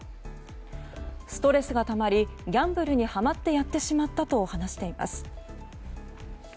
ストレスがたまりギャンブルにはまってやってしまったと話しています。